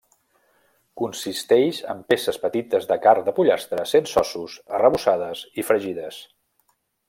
Consisteix en peces petites de carn de pollastre sense ossos arrebossades i fregides.